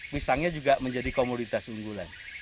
pisangnya juga menjadi komoditas unggulan